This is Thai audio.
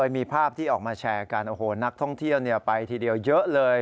มีภาพที่ออกมาแชร์กันโอ้โหนักท่องเที่ยวไปทีเดียวเยอะเลย